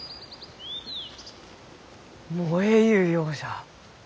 燃えゆうようじゃ。